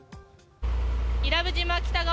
伊良部島北側